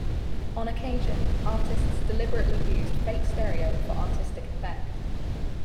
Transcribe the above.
On occasion, artists deliberately used fake stereo for artistic effect.